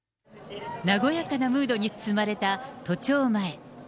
和やかなムードに包まれた都庁前。